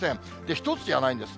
１つじゃないんです。